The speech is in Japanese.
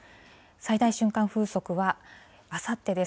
最大瞬間風速は、あさってです。